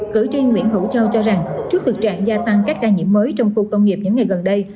cử tri nguyễn hữu châu cho rằng trước thực trạng gia tăng các ca nhiễm mới trong khu công nghiệp những ngày gần đây